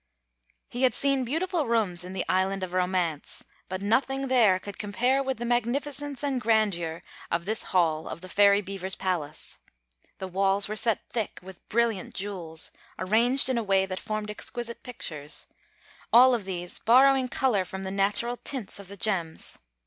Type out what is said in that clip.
He had seen beautiful rooms in the Island of Romance, but nothing there could compare with the magnificence and grandeur of this hall of the Fairy Beaver's palace. The walls were set thick with brilliant jewels, arranged in a way that formed exquisite pictures, all of these borrowing color from the natural tints of the gems.